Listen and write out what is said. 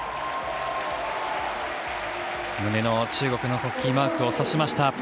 胸の中国の国旗のマークを指しました。